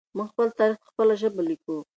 موږ خپل تاریخ په خپله ژبه لیکو.